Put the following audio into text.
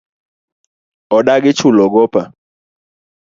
Odagi chulo gopa